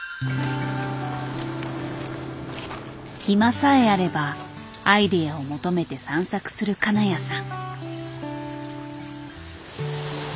暇さえあればアイデアを求めて散策する金谷さん。